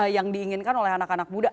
yang diinginkan oleh anak anak muda